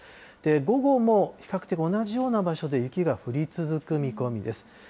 午後も比較的、同じような場所で雪が降り続く見込みです。